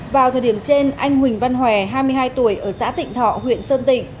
vào thời điểm trên anh huỳnh văn hòe hai mươi hai tuổi ở xã tịnh thọ huyện sơn tịnh